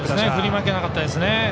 振り負けなかったですね。